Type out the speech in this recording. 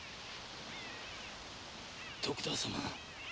徳田様。